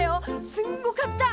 すんごかった！